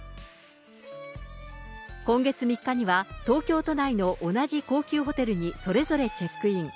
今月３日には、東京都内の同じ高級ホテルにそれぞれチェックイン。